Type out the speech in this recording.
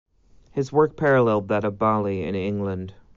His work paralleled that of Bowley in England.